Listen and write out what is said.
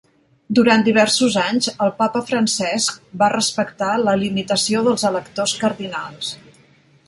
Durant diversos anys, el papa Francesc va respectar la limitació dels electors cardinals.